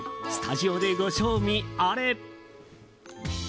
スタジオでご賞味あれ。